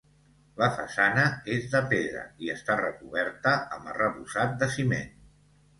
La façana és de pedra i està recoberta amb arrebossat de ciment.